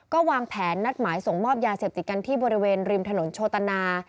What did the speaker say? ก็วางแผนนัดหมายส่งมอบยาเสพติดกันที่บริเวณริมถนนโชตนา